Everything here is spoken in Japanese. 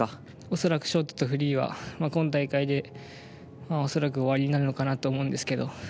恐らくショートとフリーは今大会で終わりになるのかなと思うんですけど。